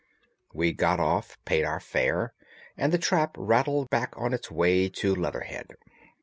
We got off, paid our fare, and the trap rattled back on its way to Leatherhead.